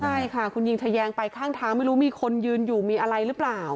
ใช่ค่ะคุณยิงทะแยงไปข้างทางไม่รู้มีคนยืนอยู่มีอะไรหรือเปล่า